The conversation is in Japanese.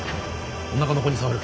おなかの子に障る。